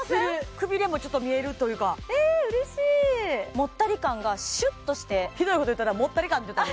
くびれも見えるというかえーっうれしいもったり感がシュッとしてひどいこと言ったなもったり感って言ったぞ